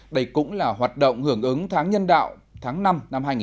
đây cũng là hoạt động hưởng ứng tháng nhân đạo tháng năm năm hai nghìn một mươi chín